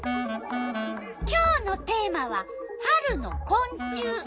今日のテーマは「春のこん虫」。